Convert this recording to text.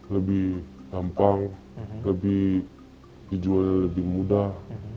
lebih gampang lebih dijual lebih mudah